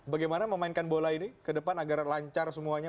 bagaimana memainkan bola ini ke depan agar lancar semuanya